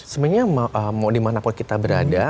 sebenarnya mau dimana pun kita berada